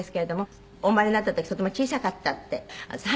お生まれになった時とても小さかったって。